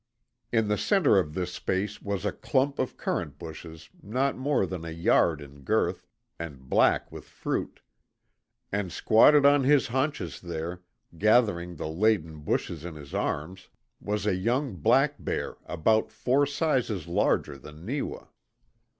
In the centre of this space was a clump of currant bushes not more than a yard in girth, and black with fruit; and squatted on his haunches there, gathering the laden bushes in his arms, was a young black bear about four sizes larger than Neewa.